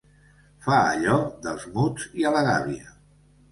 Fa allò del muts i a la gàbia.